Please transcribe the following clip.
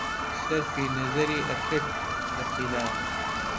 سەرفی نەزەری ئەکرد لە خیلاف